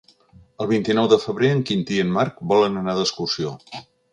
El vint-i-nou de febrer en Quintí i en Marc volen anar d'excursió.